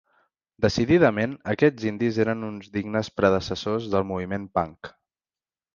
Decididament aquests indis eren uns dignes predecessors del moviment punk.